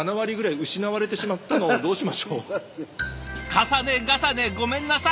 重ね重ねごめんなさい！